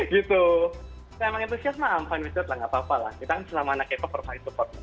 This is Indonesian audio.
gitu saya emang entusiasma i m fine with that lah gapapa lah kita kan selama anak k pop percaya support